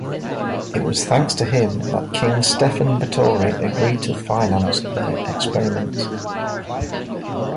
It was thanks to him that King Stefan Batory agreed to finance their experiments.